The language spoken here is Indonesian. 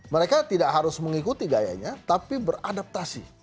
mereka tidak harus mengikuti gayanya tapi beradaptasi